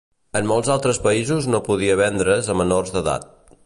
En molts altres països no podia vendre's a menors d'edat.